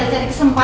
jadi bukan kamu